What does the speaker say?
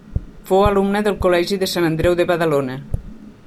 Fou alumna del Col·legi de Sant Andreu de Badalona.